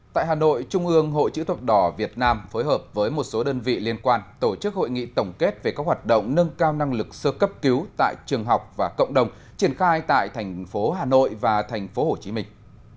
tại hà nội trung ương hội chữ thập đỏ việt nam phối hợp với một số đơn vị liên quan tổ chức hội nghị tổng kết về các hoạt động nâng cao năng lực sơ cấp cứu tại trường học và cộng đồng triển khai tại thành phố hà nội và thành phố hồ chí minh